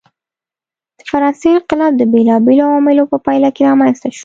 د فرانسې انقلاب د بېلابېلو عواملو په پایله کې رامنځته شو.